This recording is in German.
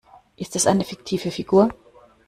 Ist es eine fiktive Figur?